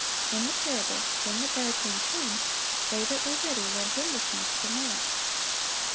In the parable, when the bridegroom came, "they that were ready went in with him to the marriage."